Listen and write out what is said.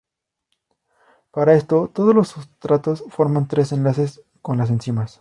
Para esto todos los sustratos forman tres enlaces con las enzimas.